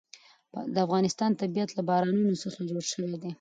د افغانستان طبیعت له بارانونو څخه جوړ شوی دی.